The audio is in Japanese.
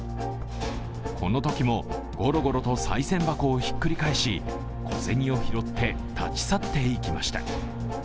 このときもゴロゴロとさい銭箱をひっくり返し小銭を拾って立ち去っていきました。